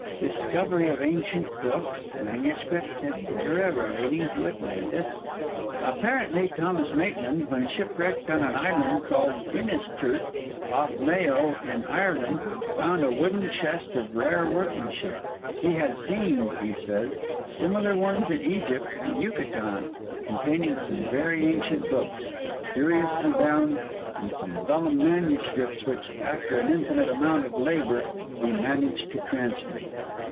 'Discovery of ancient books, manuscripts, etc., relating to Atlantis.' Apparently, Thomas Maitland, when shipwrecked on an island, called Inisturk, off Mayo, in Ireland, found a wooden chest of rare workmanship he had seen, he says, similar ones in Egypt and Yucatan containing some very ancient books curiously bound, and some vellum manuscripts, which, after an infinite amount of labour, he managed to translate.